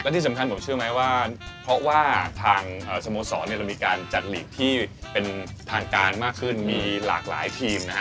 ที่สำคัญผมเชื่อไหมว่าเพราะว่าทางสโมสรเรามีการจัดหลีกที่เป็นทางการมากขึ้นมีหลากหลายทีมนะฮะ